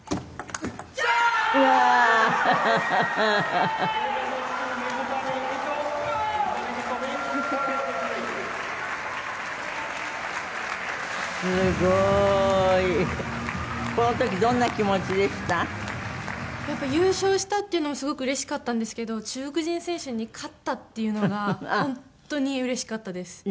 やっぱり優勝したっていうのもすごくうれしかったんですけど中国人選手に勝ったっていうのが本当にうれしかったです。